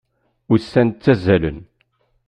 Ussan ttazalen.